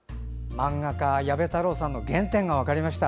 漫画家・矢部太郎さんの原点が分かりました。